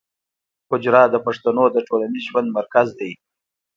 حجره د پښتنو د ټولنیز ژوند مرکز دی.